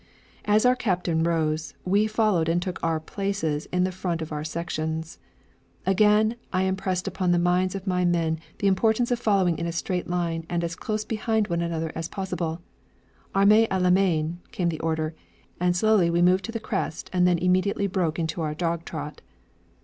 As our captain rose, we followed and took our places in front of our sections. Again I impressed upon the minds of my men the importance of following in a straight line and as close behind one another as possible. 'Arme à la main!' came the order, and slowly we moved to the crest and then immediately broke into a dog trot.